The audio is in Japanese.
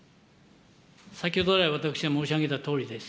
先ほどらい、私が申しあげたとおりです。